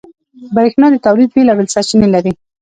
برېښنا د تولید بېلابېل سرچینې لري.